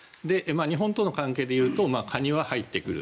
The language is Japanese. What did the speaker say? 日本との関係で言うとカニは入ってくる。